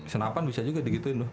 senapan bisa juga di gituin loh